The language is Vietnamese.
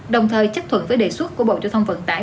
đồng thời chấp thuận với đề xuất của bộ giao thông vận tải